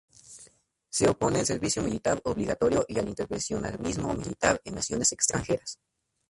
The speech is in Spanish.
Se opone al servicio militar obligatorio y al intervencionismo militar en naciones extranjeras.